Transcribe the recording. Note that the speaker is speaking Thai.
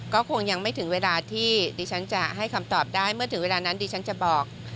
ก็คงยังไม่ถึงเวลาที่ดิฉันจะให้คำตอบได้เมื่อถึงเวลานั้นดิฉันจะบอก